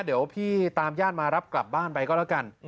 เดี๋ยวพี่ตามญาติมารับกลับบ้านไปก็แล้วกัน